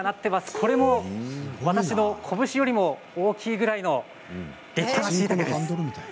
これも私の拳よりも大きいぐらいの立派なしいたけです。